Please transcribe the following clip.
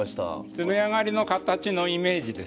詰め上がりの形のイメージですね。